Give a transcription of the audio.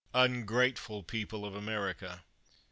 Ungrate ful people of America